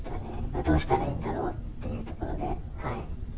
どうしたらいいだろうというところで。